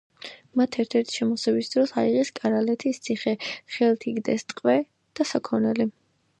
მათ ერთ-ერთი შემოსევის დროს აიღეს კარალეთის ციხე, ხელთ იგდეს ტყვე და საქონელი.